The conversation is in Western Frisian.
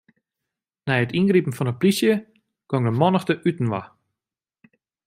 Nei it yngripen fan 'e plysje gong de mannichte útinoar.